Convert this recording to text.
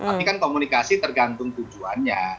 tapi kan komunikasi tergantung tujuannya